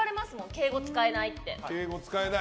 敬語使えないって。